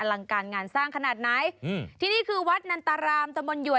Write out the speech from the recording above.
ลังการงานสร้างขนาดไหนอืมที่นี่คือวัดนันตรารามตะมนตัว